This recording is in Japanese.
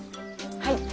はい！